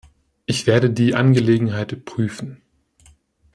Ich werde die Angelegenheit prüfen.